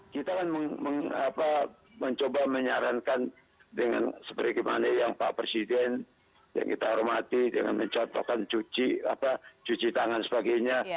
kita kan mencoba menyarankan dengan sebagaimana yang pak presiden yang kita hormati dengan mencontohkan cuci tangan sebagainya